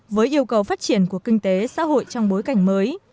với yêu cầu phát triển của kinh tế xã hội trong bối cảnh mới